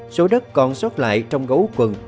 số đất còn xót lại trong gấu quần